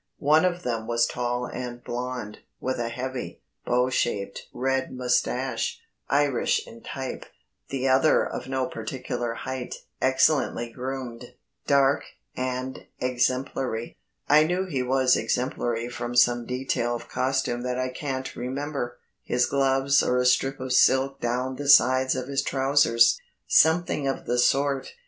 One of them was tall and blond, with a heavy, bow shaped red moustache Irish in type; the other of no particular height, excellently groomed, dark, and exemplary. I knew he was exemplary from some detail of costume that I can't remember his gloves or a strip of silk down the sides of his trousers something of the sort.